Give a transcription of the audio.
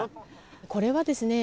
これはですね